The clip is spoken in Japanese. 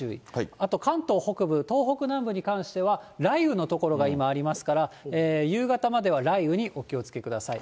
あと関東北部、東北南部に関しては、雷雨の所が今、ありますから、夕方までは雷雨にお気をつけください。